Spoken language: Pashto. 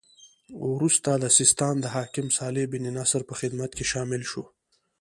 وروسته د سیستان د حاکم صالح بن نصر په خدمت کې شامل شو.